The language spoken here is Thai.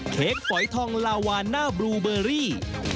เค้กฝอยทองลาวานหน้าบลูเบอรี่